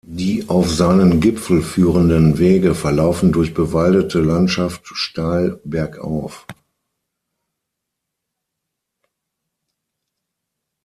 Die auf seinen Gipfel führenden Wege verlaufen durch bewaldete Landschaft steil bergauf.